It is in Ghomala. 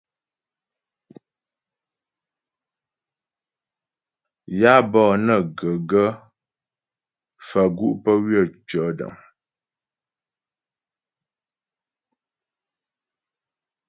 Yǎ bɔ'ɔ né ghə gaə́ faə̀ gu' pə́ ywə̂ mtʉɔ̂dəŋ.